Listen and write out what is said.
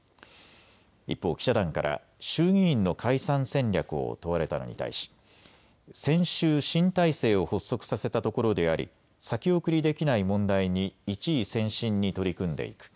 一方、記者団から衆議院の解散戦略を問われたのに対し先週、新体制を発足させたところであり先送りできない問題に一意専心に取り組んでいく。